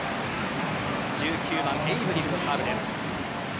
１９番エイブリルのサーブです。